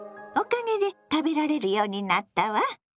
おかげで食べられるようになったわ。